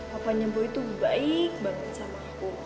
papanya boy itu baik banget sama aku